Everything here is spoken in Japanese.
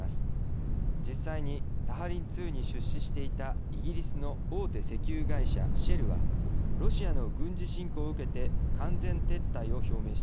実際にサハリン２に出資していたイギリスの大手石油会社Ｓｈｅｌｌはロシアの軍事侵攻を受けて完全撤退を表明しています。